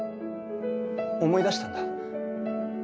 思い出したんだ。